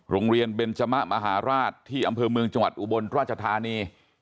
โรงเรียนเบนจมะมหาราชที่อำเภอเมืองจังหวัดอุบลราชธานี